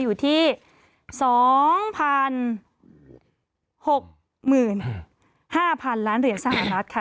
อยู่ที่๒๖๕๐๐๐ล้านเหรียญสหรัฐค่ะ